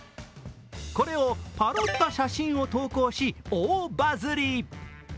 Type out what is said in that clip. これをパロッた写真を投稿し大バズり。